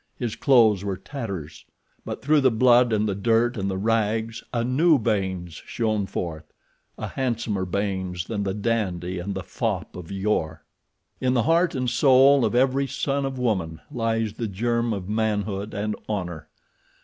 His clothes were tatters. But through the blood and the dirt and the rags a new Baynes shone forth—a handsomer Baynes than the dandy and the fop of yore. In the heart and soul of every son of woman lies the germ of manhood and honor.